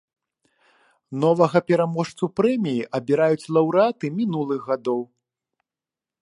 Новага пераможцу прэміі абіраюць лаўрэаты мінулых гадоў.